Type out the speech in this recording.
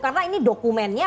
karena ini dokumennya